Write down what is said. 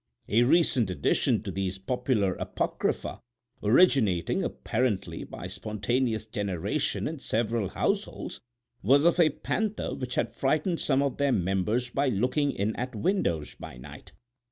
A recent addition to these popular apocrypha, originating, apparently, by spontaneous generation in several households, was of a panther which had frightened some of their members by looking in at windows by night.